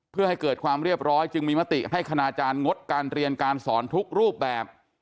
เพื่อให้เกิดความเรียบร้อยจึงมีมติให้คณาจารย์งดการเรียนการสอนทุกรูปแบบ